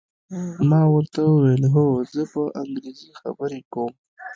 ما ورته وویل: هو، زه په انګریزي خبرې کوم.